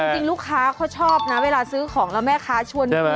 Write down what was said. จริงลูกค้าเขาชอบนะเวลาซื้อของแล้วแม่ค้าชวนซื้อ